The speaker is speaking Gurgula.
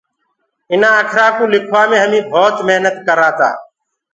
اُنآ اکرآنٚ ڪوُ لِکوآ مي همي تمآ گهڻي محنت ڪرآ تآ۔